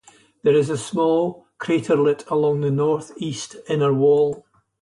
There is a small craterlet along the northeast inner wall.